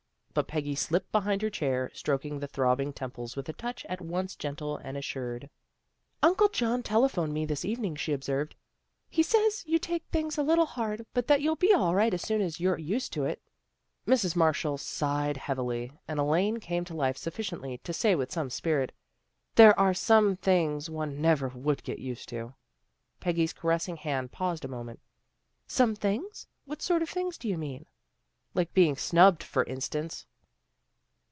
But Peggy slipped behind her chair, stroking the throbbing temples with a touch at once gentle and assured. " Uncle John telephoned me this evening," she observed. " He says you take things a little hard, but A REMARKABLE EVENING 289 that you'll be all right as soon as you're used to it." Mrs. Marshall sighed heavily, and Elaine came to life sufficiently to say with some spirit, " There are some things one never would get used to." Peggy's caressing hand paused a moment. " Some things! What sort of things do you mean? "" Like being snubbed, for instance."